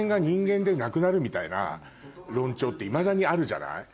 みたいな論調っていまだにあるじゃない。